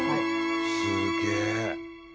すげえ。